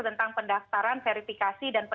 tentang pendaftaran verifikasi dan